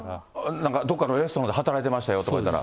なんかどっかのレストランで働いてましたよとかいわれたら。